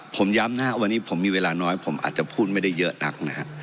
ผมย้ำนะครับวันนี้ผมมีเวลาน้อยผมอาจจะพูดไม่ได้เยอะนักนะฮะ